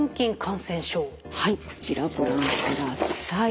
はいこちらご覧ください。